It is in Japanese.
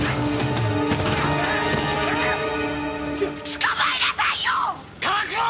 捕まえなさいよ！！確保！